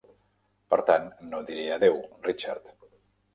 Per tant, no diré adeu, Richard.